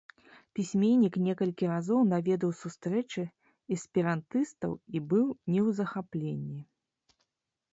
Пісьменнік некалькі разоў наведаў сустрэчы эсперантыстаў і быў не ў захапленні.